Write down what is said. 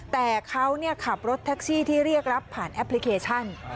แต่เขาขับรถแท็กซี่ที่เรียกรับผ่านแอปพลิเคชัน